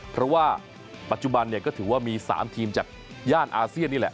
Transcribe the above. เพราะว่าปัจจุบันก็ถือว่ามี๓ทีมจากย่านอาเซียนนี่แหละ